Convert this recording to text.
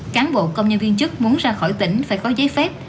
cán bộ công nhân viên chức muốn ra khỏi tỉnh phải có giấy phép